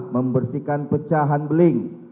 membersihkan pecahan beling